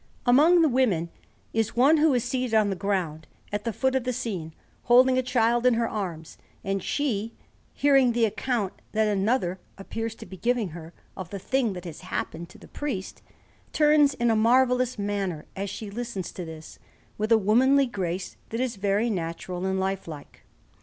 Among the women is one who is seated on the ground at the foot of the scene, holding a child in her arms; and she, hearing the account that another appears to be giving her of the thing that has happened to the priest, turns in a marvellous manner as she listens to this, with a womanly grace that is very natural and lifelike.